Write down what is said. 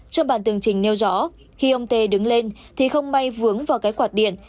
trong bản tương trình nêu rõ khi ông t đứng lên thì không may vướng vào cái quạt điện